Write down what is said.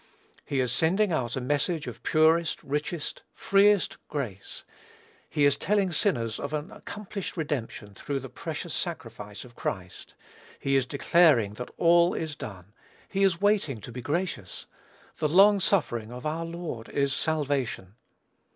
He is sending out a message of purest, richest, freest grace. He is telling sinners of an accomplished redemption through the precious sacrifice of Christ. He is declaring that all is done. He is waiting to be gracious. "The long suffering of our Lord is salvation."